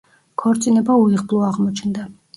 ქორწინება უიღბლო აღმოჩნდა.